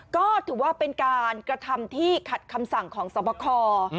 ก็ถือว่าเป็นการกระทำที่ขัดคำสั่งของสอบคอ